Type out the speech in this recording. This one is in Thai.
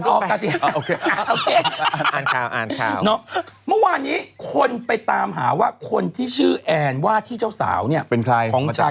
ก้องไปตามหาว่าคนที่ชื่อแอนว่าที่เจ้าสาวเนี่ยคล๊อคให้เป็นใคร